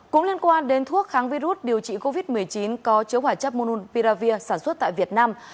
cũng liên quan đến thuốc kháng virus điều trị covid một mươi chín có chứa hoạt chất monopiravir sản xuất tại việt nam